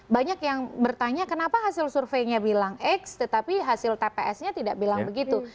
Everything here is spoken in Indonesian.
banyak yang bertanya kenapa hasil surveinya bilang x tetapi hasil tps nya tidak bilang begitu